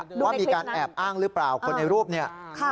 ว่ามีการแอบอ้างหรือเปล่าคนในรูปเนี่ย